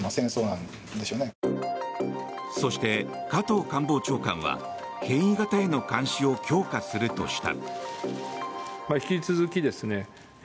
そして、加藤官房長官は変異型への監視を強化するとした。